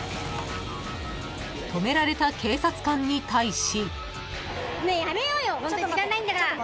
［止められた警察官に対し］